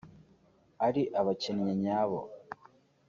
ari abakinnyi bayo